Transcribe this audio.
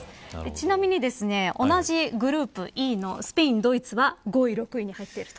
ちなみに、同じグループＥのスペイン、ドイツは５位、６位に入っている。